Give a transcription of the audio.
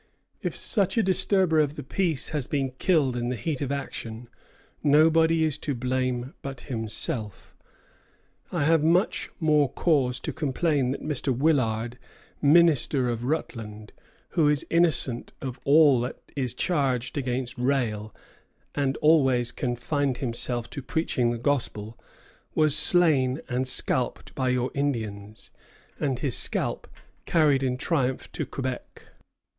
If such a disturber of the peace has been killed in the heat of action, nobody is to blame but himself. I have much more cause to complain that Mr. Willard, minister of Rutland, who is innocent of all that is charged against Rale, and always confined himself to preaching the Gospel, was slain and scalped by your Indians, and his scalp carried in triumph to Quebec."